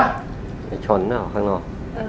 ไอ้ช้นอ่ะข้างนอก